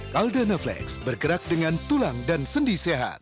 caldana flex bergerak dengan tulang dan sendi sehat